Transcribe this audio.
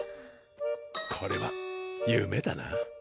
これは夢だな。